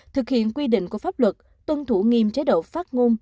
thực hiện quy định của pháp luật tuân thủ nghiêm chế độ phát ngôn